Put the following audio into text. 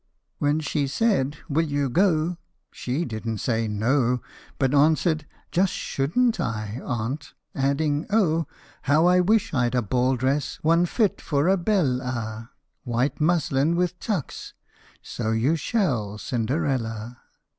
When she said, "Will you go?" she didn't say, "No!" But answered, " Just shouldn't I, aunt !" adding, " Oh ! How I wish I 'd a ball dress one fit for a belle a White muslin with tucks !"" So you shall, Cinderella.